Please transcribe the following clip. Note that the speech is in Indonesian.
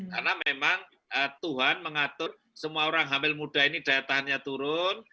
karena memang tuhan mengatur semua orang hamil muda ini daya tahannya turun